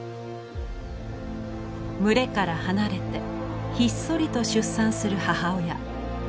群れから離れてひっそりと出産する母親。